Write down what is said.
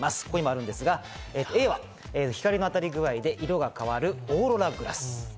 ここにもあるんですが、Ａは光の当たり具合で色が変わるオーロラグラス。